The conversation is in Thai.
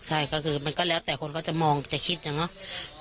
ใช่ก็คือมันก็แล้วแต่คนก็จะมองจะคิดอย่างน้อย